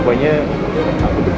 karena ada beberapa buku yang harus